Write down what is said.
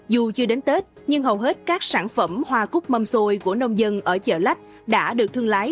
dù chưa đến tết nhưng hầu hết các sản phẩm hoa cúc mâm xôi của nông dân ở chợ lách đã được thương lái